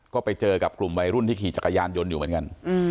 ก็ไปเจอกับกลุ่มวัยรุ่นที่ขี่จักรยานยนต์อยู่เหมือนกัน